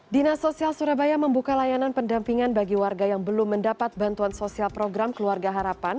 dinas sosial surabaya membuka layanan pendampingan bagi warga yang belum mendapat bantuan sosial program keluarga harapan